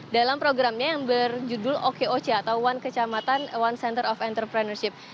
dalam programnya yang berjudul okoc atau one kecamatan one center of entrepreneurship